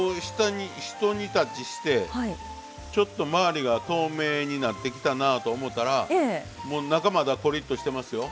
ひと煮立ちしてちょっと周りが透明になってきたなと思ったらもう中まだコリッとしてますよ。